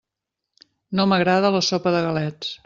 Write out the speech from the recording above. No m'agrada la sopa de galets.